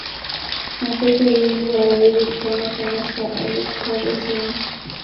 makocha wengi hawawezi kufanya kama sir alex ferguson